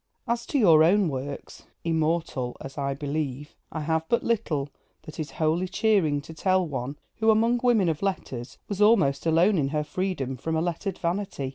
As to your own works (immortal, as I believe), I have but little that is wholly cheering to tell one who, among women of letters, was almost alone in her freedom from a lettered vanity.